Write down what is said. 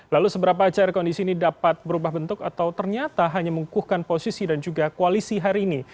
lalu seberapa cair kondisi ini dapat berubah bentuk atau ternyata hanya mengukuhkan posisi dan juga koalisi hari ini